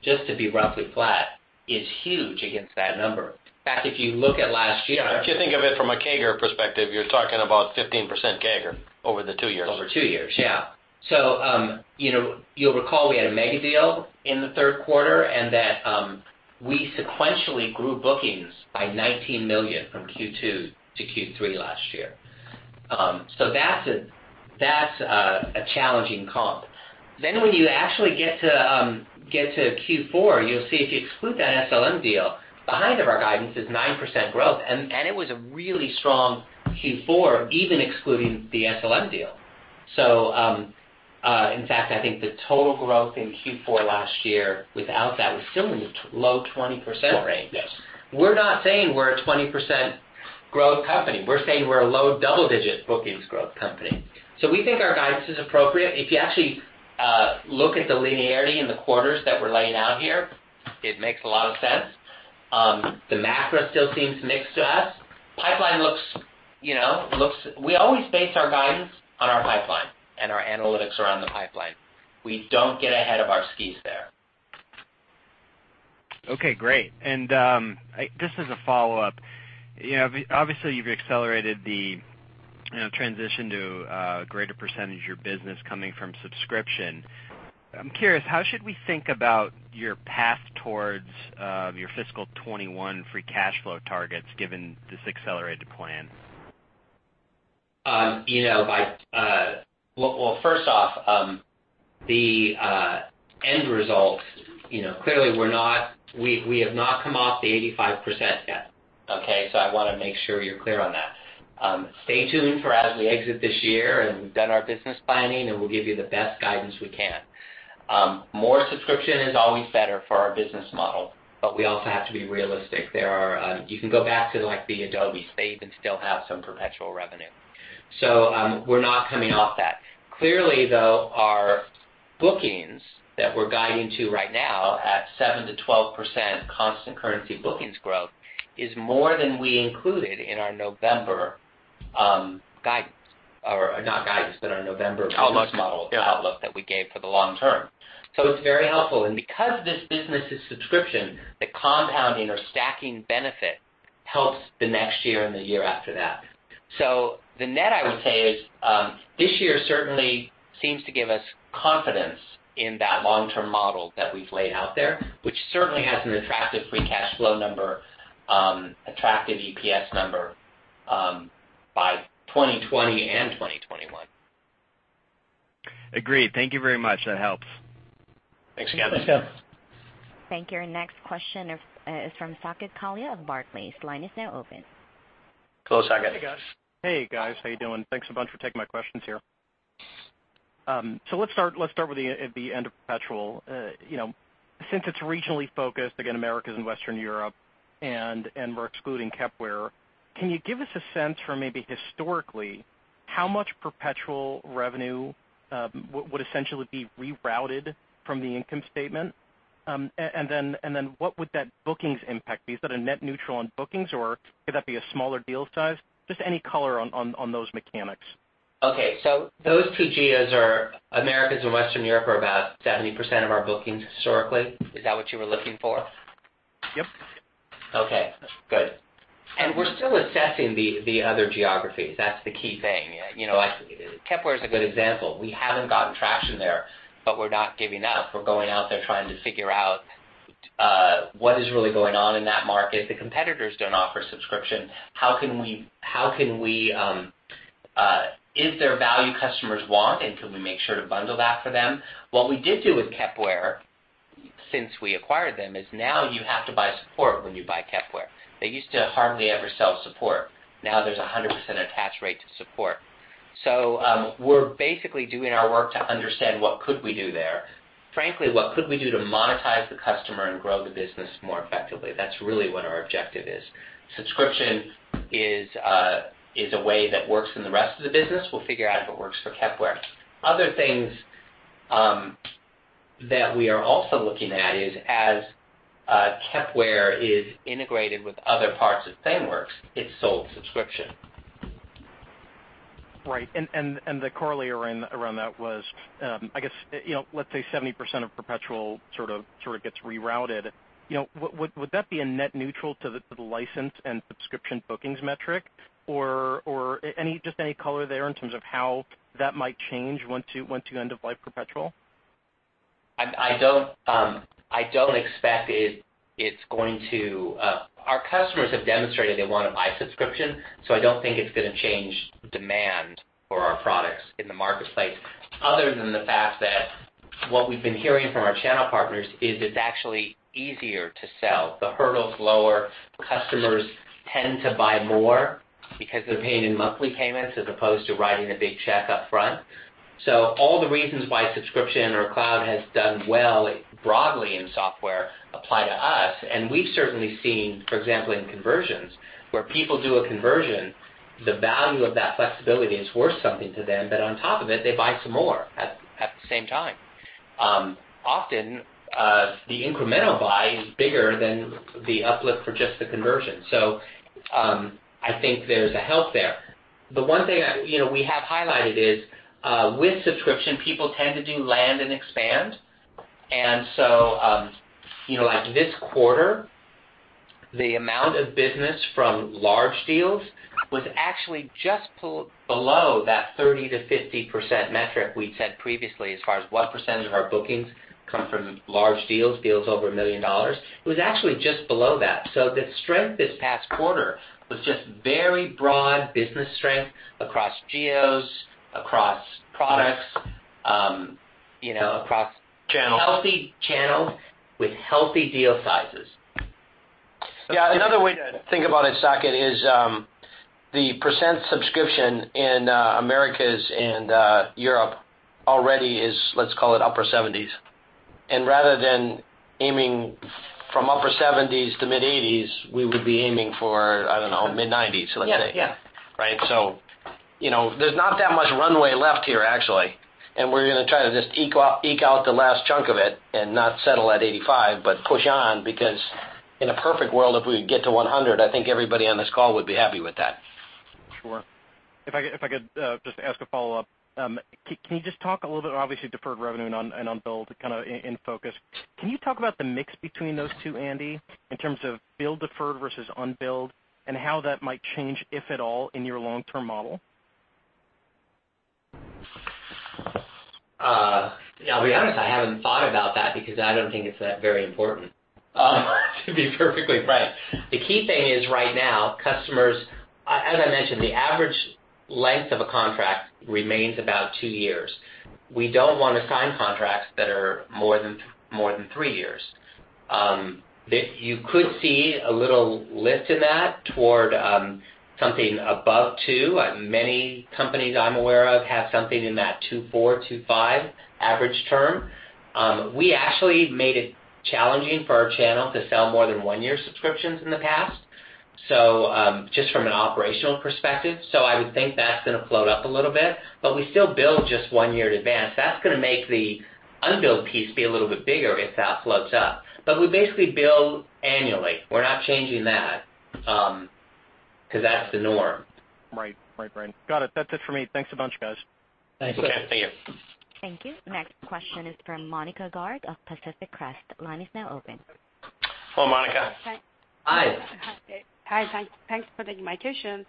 just to be roughly flat is huge against that number. In fact, if you look at last year. If you think of it from a CAGR perspective, you're talking about 15% CAGR over the two years. Over two years, yeah. You'll recall we had a mega deal in the third quarter, and that we sequentially grew bookings by $19 million from Q2 to Q3 last year. That's a challenging comp. When you actually get to Q4, you'll see if you exclude that SLM deal, behind of our guidance is 9% growth, and it was a really strong Q4 even excluding the SLM deal. In fact, I think the total growth in Q4 last year without that was still in the low 20% range. Yes. We're not saying we're a 20% growth company. We're saying we're a low double-digit bookings growth company. We think our guidance is appropriate. If you actually look at the linearity in the quarters that we're laying out here, it makes a lot of sense. The macro still seems mixed to us. We always base our guidance on our pipeline and our analytics around the pipeline. We don't get ahead of our skis there. Okay, great. Just as a follow-up, obviously you've accelerated the transition to a greater percentage of your business coming from subscription. I'm curious, how should we think about your path towards your fiscal 2021 free cash flow targets given this accelerated plan? Well, first off, the end result, clearly we have not come off the 85% yet, okay? I want to make sure you're clear on that. Stay tuned for as we exit this year, and we've done our business planning, and we'll give you the best guidance we can. More subscription is always better for our business model, but we also have to be realistic. You can go back to the Adobe space and still have some perpetual revenue. We're not coming off that. Clearly, though, our bookings that we're guiding to right now at 7%-12% constant currency bookings growth is more than we included in our November guidance. Or not guidance, but our November business model- Outlook. Yeah outlook that we gave for the long term. It's very helpful. Because this business is subscription, the compounding or stacking benefit helps the next year and the year after that. The net I would say is, this year certainly seems to give us confidence in that long-term model that we've laid out there, which certainly has an attractive free cash flow number, attractive EPS number by 2020 and 2021. Agreed. Thank you very much. That helps. Thanks, Ken. Thanks, Ken. Thank you. Our next question is from Saket Kalia of Barclays. Line is now open. Hello, Saket. Hey, guys. How you doing? Thanks a bunch for taking my questions here. Let's start with the end of perpetual. Since it's regionally focused, again, Americas and Western Europe, and we're excluding Kepware, can you give us a sense for maybe historically, how much perpetual revenue would essentially be rerouted from the income statement? Then what would that bookings impact be? Is that a net neutral on bookings, or could that be a smaller deal size? Just any color on those mechanics. Okay. Those two geos are Americas and Western Europe are about 70% of our bookings historically. Is that what you were looking for? Yep. Okay, good. We're still assessing the other geographies. That's the key thing. Kepware is a good example. We haven't gotten traction there, but we're not giving up. We're going out there trying to figure out what is really going on in that market. The competitors don't offer subscription. Is there value customers want, and can we make sure to bundle that for them? What we did do with Kepware, since we acquired them, is now you have to buy support when you buy Kepware. They used to hardly ever sell support. Now there's 100% attach rate to support. We're basically doing our work to understand what could we do there. Frankly, what could we do to monetize the customer and grow the business more effectively? That's really what our objective is. Subscription is a way that works in the rest of the business. We'll figure out if it works for Kepware. Other things that we are also looking at is as Kepware is integrated with other parts of ThingWorx, it's sold subscription. Right. The corollary around that was, I guess 70% of perpetual sort of gets rerouted. Would that be a net neutral to the license and subscription bookings metric? Just any color there in terms of how that might change once you end of life perpetual? Our customers have demonstrated they want to buy subscription, so I don't think it's going to change demand for our products in the marketplace other than the fact that what we've been hearing from our channel partners is it's actually easier to sell. The hurdle's lower. Customers tend to buy more because they're paying in monthly payments as opposed to writing a big check up front. All the reasons why subscription or cloud has done well broadly in software apply to us, and we've certainly seen, for example, in conversions, where people do a conversion, the value of that flexibility is worth something to them. On top of it, they buy some more at the same time. Often, the incremental buy is bigger than the uplift for just the conversion. I think there's a help there. The one thing we have highlighted is, with subscription, people tend to do land and expand. Like this quarter, the amount of business from large deals was actually just below that 30%-50% metric we'd said previously as far as what percentage of our bookings come from large deals over $1 million. It was actually just below that. The strength this past quarter was just very broad business strength across geos, across products, across. Channels healthy channels with healthy deal sizes. Yeah. Another way to think about it, Saket, is the % subscription in Americas and Europe already is, let's call it upper 70s. Rather than aiming from upper 70s to mid-80s, we would be aiming for, I don't know, mid-90s, let's say. Yeah. Right? There's not that much runway left here, actually, we're going to try to just eke out the last chunk of it and not settle at 85 but push on, because in a perfect world, if we could get to 100, I think everybody on this call would be happy with that. Sure. If I could just ask a follow-up. Can you just talk a little bit, obviously, deferred revenue and unbilled kind of in focus. Can you talk about the mix between those two, Andy, in terms of bill deferred versus unbilled and how that might change, if at all, in your long-term model? I'll be honest, I haven't thought about that because I don't think it's that very important, to be perfectly frank. The key thing is right now, customers, as I mentioned, the average length of a contract remains about two years. We don't want to sign contracts that are more than three years. You could see a little lift in that toward something above two. Many companies I'm aware of have something in that two, four, two, five average term. We actually made it challenging for our channel to sell more than one-year subscriptions in the past, just from an operational perspective. I would think that's going to float up a little bit, but we still bill just one year in advance. That's going to make the unbilled piece be a little bit bigger if that floats up. We basically bill annually. We're not changing that. That's the norm. Right. Got it. That's it for me. Thanks a bunch, guys. Thanks. Okay. Thank you. Thank you. Next question is from Monika Garg of Pacific Crest. Line is now open. Hello, Monika. Hi. Hi. Thanks for taking my question.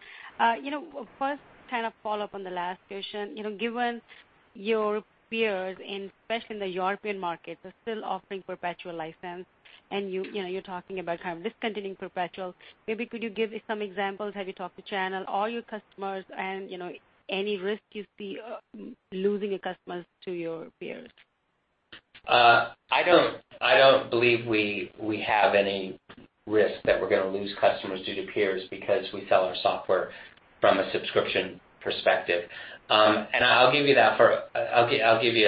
First follow-up on the last question. Given your peers, and especially in the European markets, are still offering perpetual license, and you're talking about discontinuing perpetual, maybe could you give some examples? Have you talked to channel or your customers, and any risk you see losing your customers to your peers? I don't believe we have any risk that we're going to lose customers due to peers because we sell our software from a subscription perspective. I'll give you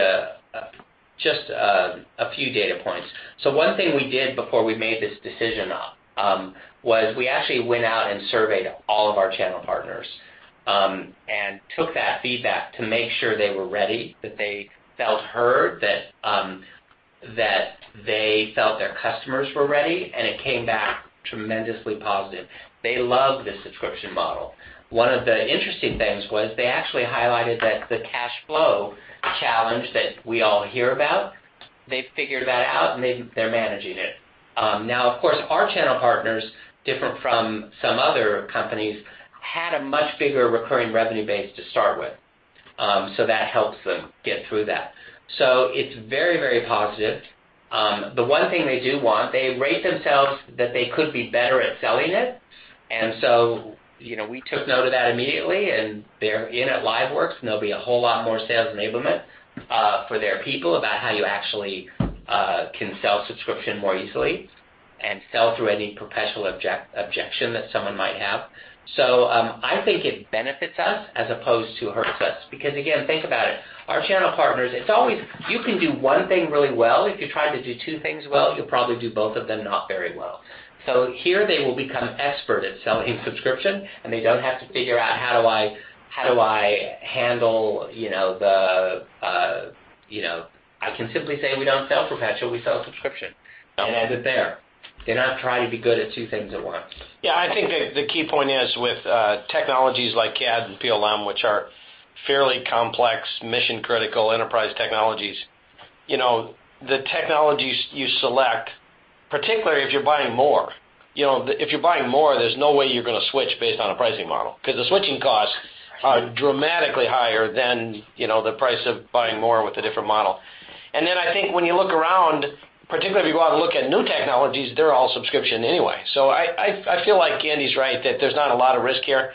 just a few data points. One thing we did before we made this decision was we actually went out and surveyed all of our channel partners. Took that feedback to make sure they were ready, that they felt heard, that they felt their customers were ready, and it came back tremendously positive. They love the subscription model. One of the interesting things was they actually highlighted that the cash flow challenge that we all hear about, they figured that out, and they're managing it. Now, of course, our channel partners, different from some other companies, had a much bigger recurring revenue base to start with. That helps them get through that. It's very positive. The one thing they do want, they rate themselves that they could be better at selling it. We took note of that immediately, and they're in at LiveWorx, and there'll be a whole lot more sales enablement for their people about how you actually can sell subscription more easily and sell through any perpetual objection that someone might have. I think it benefits us as opposed to hurts us. Because again, think about it. Our channel partners, you can do one thing really well. If you try to do two things well, you'll probably do both of them not very well. Here they will become expert at selling subscription, and they don't have to figure out how do I handle the. I can simply say, we don't sell perpetual, we sell subscription, and end it there. They're not trying to be good at two things at once. I think the key point is with technologies like CAD and PLM, which are fairly complex, mission-critical enterprise technologies. The technologies you select, particularly if you're buying more, there's no way you're going to switch based on a pricing model. The switching costs are dramatically higher than the price of buying more with a different model. I think when you look around, particularly if you go out and look at new technologies, they're all subscription anyway. I feel like Andy's right, that there's not a lot of risk here.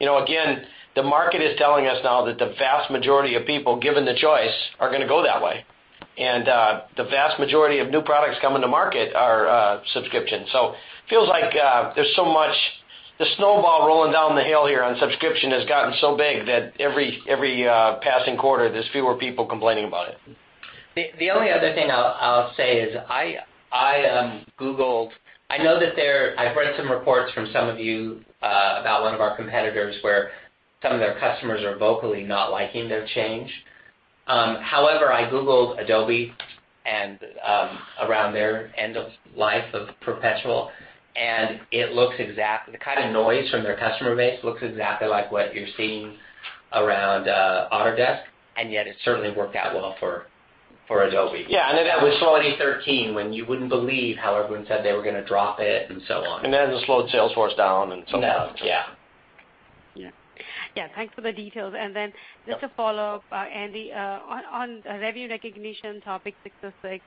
Again, the market is telling us now that the vast majority of people, given the choice, are going to go that way. The vast majority of new products coming to market are subscription. It feels like the snowball rolling down the hill here on subscription has gotten so big that every passing quarter, there's fewer people complaining about it. The only other thing I'll say is I Googled. I've read some reports from some of you about one of our competitors where some of their customers are vocally not liking their change. However, I Googled Adobe and around their end of life of perpetual, the kind of noise from their customer base looks exactly like what you're seeing around Autodesk, and yet it certainly worked out well for Adobe. Yeah, that was 2013 when you wouldn't believe how everyone said they were going to drop it and so on. It slowed Salesforce down and some of those. No. Yeah. Yeah. Thanks for the details. Then just a follow-up, Andy, on revenue recognition, ASC 606.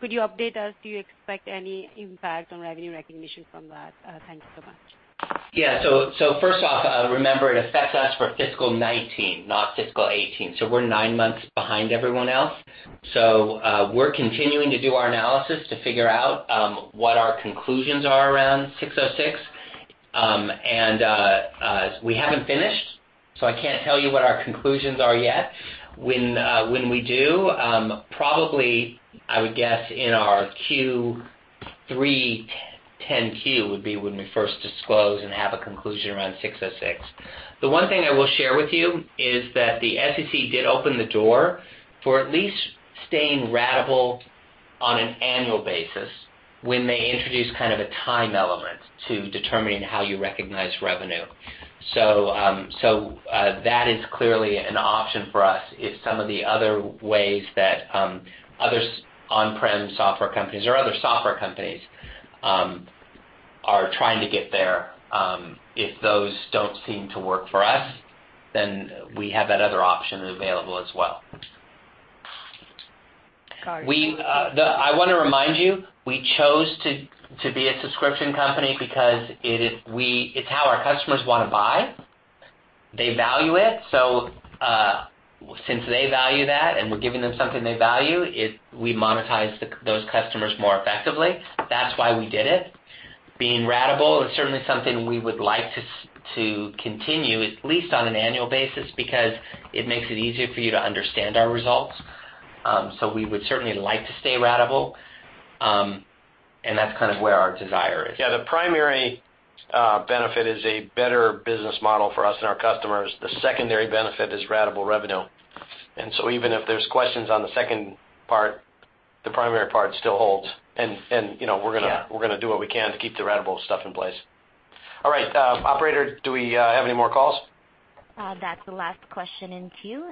Could you update us? Do you expect any impact on revenue recognition from that? Thanks so much. Yeah. First off, remember it affects us for fiscal 2019, not fiscal 2018. We're nine months behind everyone else. We're continuing to do our analysis to figure out what our conclusions are around 606. We haven't finished, so I can't tell you what our conclusions are yet. When we do, probably, I would guess in our Q3 10-Q would be when we first disclose and have a conclusion around 606. The one thing I will share with you is that the SEC did open the door for at least staying ratable on an annual basis when they introduce a time element to determining how you recognize revenue. That is clearly an option for us if some of the other ways that other on-prem software companies or other software companies are trying to get there. If those don't seem to work for us, we have that other option available as well. Got it. I want to remind you, we chose to be a subscription company because it's how our customers want to buy. They value it. Since they value that and we're giving them something they value, we monetize those customers more effectively. That's why we did it. Being ratable is certainly something we would like to continue, at least on an annual basis, because it makes it easier for you to understand our results. We would certainly like to stay ratable, and that's where our desire is. Yeah, the primary benefit is a better business model for us and our customers. The secondary benefit is ratable revenue. Even if there's questions on the second part, the primary part still holds. Yeah we're going to do what we can to keep the ratable stuff in place. All right. Operator, do we have any more calls? That's the last question in queue.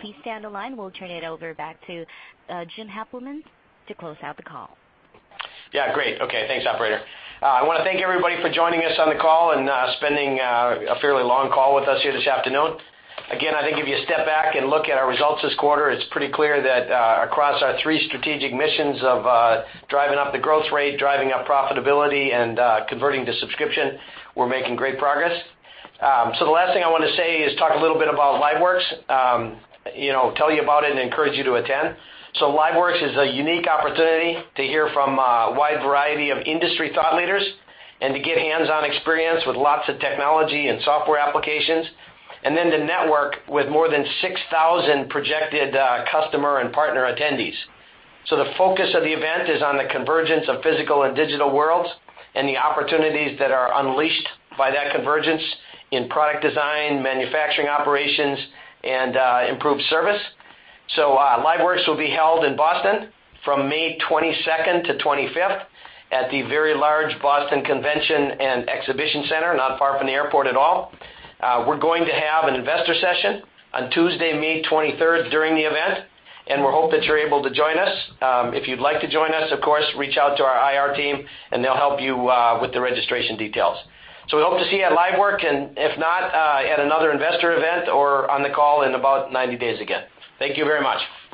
Please stay on the line. We'll turn it over back to Jim Heppelmann to close out the call. Yeah, great. Okay. Thanks, operator. I want to thank everybody for joining us on the call and spending a fairly long call with us here this afternoon. Again, I think if you step back and look at our results this quarter, it's pretty clear that across our three strategic missions of driving up the growth rate, driving up profitability, and converting to subscription, we're making great progress. The last thing I want to say is talk a little bit about LiveWorx. Tell you about it and encourage you to attend. LiveWorx is a unique opportunity to hear from a wide variety of industry thought leaders and to get hands-on experience with lots of technology and software applications. Then to network with more than 6,000 projected customer and partner attendees. The focus of the event is on the convergence of physical and digital worlds and the opportunities that are unleashed by that convergence in product design, manufacturing operations, and improved service. LiveWorx will be held in Boston from May 22nd to 25th at the very large Boston Convention and Exhibition Center, not far from the airport at all. We're going to have an investor session on Tuesday, May 23rd, during the event, and we hope that you're able to join us. If you'd like to join us, of course, reach out to our IR team, and they'll help you with the registration details. We hope to see you at LiveWorx, and if not, at another investor event or on the call in about 90 days again. Thank you very much. Bye-bye.